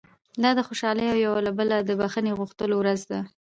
دا د خوشالۍ او یو له بله د بښنې غوښتلو ورځ ده.